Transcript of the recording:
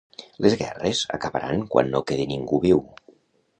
Les guerres acabaran quan no quedi ningú viu.